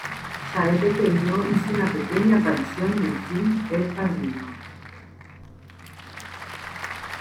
Ya de pequeño, hizo una pequeña aparición en el filme "El Padrino".